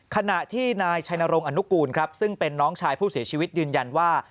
ขณะที่นายชัยนรงคุลครับซึ่งเป็นน้องชายผู้เสียชีวิตยืนยันว่า